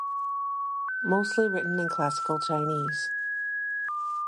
Mostly written in Classical Chinese.